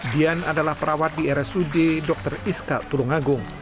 dian adalah perawat di rsud dr iska tulungagung